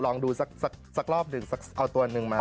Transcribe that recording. ลองดูสักรอบหนึ่งสักเอาตัวหนึ่งมา